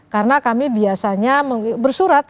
karena kami biasanya bersurat